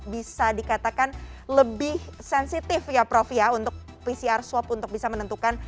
bisa dikatakan lebih sensitif ya prof ya untuk pcr swab untuk bisa menentukan